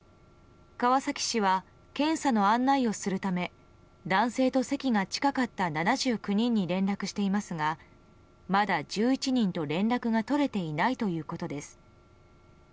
川崎市は男性と席が近かった７９人に連絡していますがまだ１１人と連絡が取れていないということです。